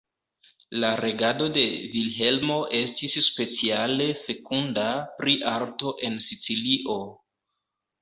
La regado de Vilhelmo estis speciale fekunda pri arto en Sicilio.